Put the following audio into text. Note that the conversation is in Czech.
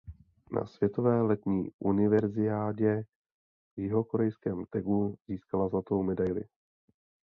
Na světové letní univerziádě v jihokorejském Tegu získala zlatou medaili.